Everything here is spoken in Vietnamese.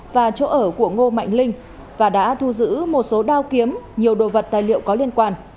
và chỗ ở của ngô mạnh linh và đã thu giữ một số đao kiếm nhiều đồ vật tài liệu có liên quan